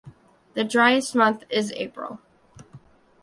The driest month is April.